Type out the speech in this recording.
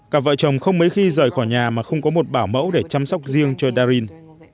cặp vợ chồng không mấy khi rời khỏi nhà mà không có một bảo mẫu để chăm sóc riêng cho darin